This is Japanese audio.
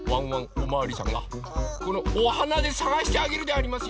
おまわりさんがこのおはなでさがしてあげるでありますよ！